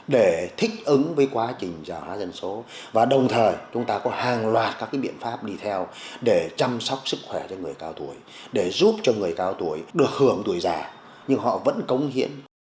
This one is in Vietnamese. để thích ứng với quá trình gia hóa dân số và đồng thời chúng ta có hàng loạt các biện pháp đi theo để chăm sóc sức khỏe cho người cao tuổi để giúp cho người cao tuổi được hưởng tuổi già nhưng họ vẫn cống hiến